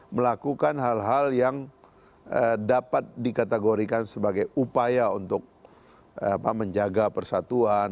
melakukan hal hal yang dapat dikategorikan sebagai upaya untuk menjaga persatuan